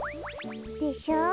でしょ。